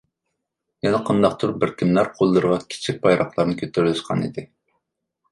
يەنە قانداقتۇر بىر كىملەر قوللىرىغا كىچىك بايراقلارنى كۆتۈرۈۋېلىشقان ئىدى.